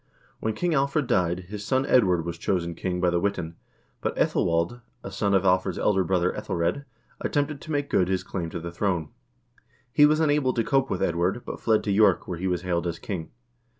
When King Alfred died, his son Edward was chosen king by the Witan, but ^Ethelwald, a son of Alfred's elder brother iEthelred, attempted to make good his claim to the throne. He was unable to cope with Edward, but fled to York, where he was hailed as king.